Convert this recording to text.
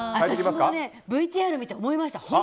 私もＶＴＲ見て思いました。